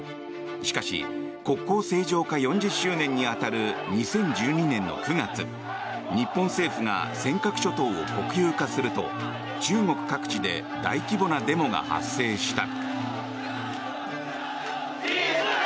しかし国交正常化４０周年に当たる２０１２年の９月日本政府が尖閣諸島を国有化すると中国各地で大規模なデモが発生した。